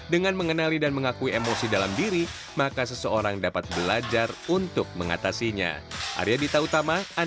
sampai jumpa di video selanjutnya